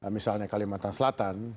misalnya kalimantan selatan